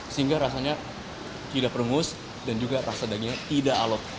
sehingga rasanya tidak perngus dan juga rasa dagingnya tidak alot